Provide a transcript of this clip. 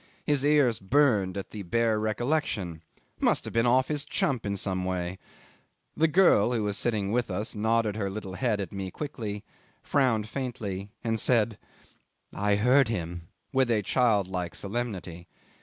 His ears burned at the bare recollection. Must have been off his chump in some way. ... The girl, who was sitting with us, nodded her little head at me quickly, frowned faintly, and said, "I heard him," with child like solemnity.